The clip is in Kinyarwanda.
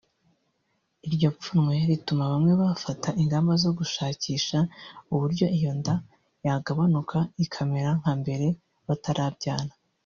Iryo pfunwe rituma bamwe bafata ingamba zo gushakisha uburyo iyo nda yagabanuka ikamera nka mbera batarabyara